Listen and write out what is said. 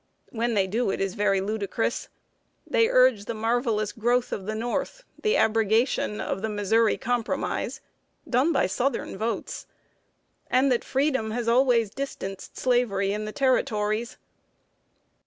When they do, it is very ludicrous. They urge the marvelous growth of the North; the abrogation of the Missouri Compromise (done by southern votes!), and that Freedom has always distanced Slavery in the territories.